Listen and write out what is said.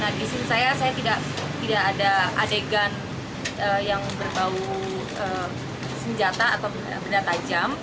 nah di sini saya tidak ada adegan yang berbau senjata atau benda tajam